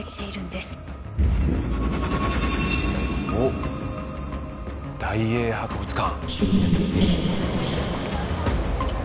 おっ大英博物館。